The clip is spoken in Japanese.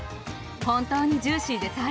本当にジューシーで最高！